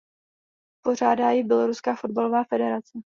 Pořádá ji Běloruská fotbalová federace.